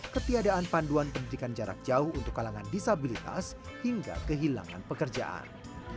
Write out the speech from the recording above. ketiadaan panduan pendidikan jarak jauh untuk kalangan disabilitas hingga kehilangan pekerjaan